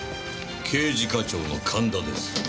刑事課長の神田です。